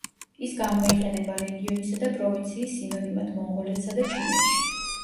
ის გამოიყენება რეგიონისა და პროვინციის სინონიმად მონღოლეთსა და ჩინეთში.